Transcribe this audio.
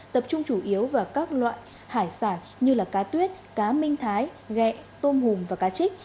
tập trung chủ yếu vào các loại hải sản như cá tuyết cá minh thái gẹ tôm hùm và cá trích